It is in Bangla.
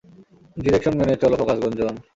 ডিরেকশন মেনে চলো ফোকাস, গুঞ্জন!